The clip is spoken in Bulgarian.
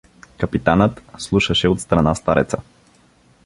Капитанът слушаше отстрана стареца.